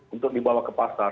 untuk dibawa ke pasar